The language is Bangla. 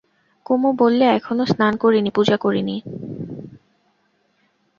কুমু বললে, এখনো স্নান করি নি, পূজা করি নি।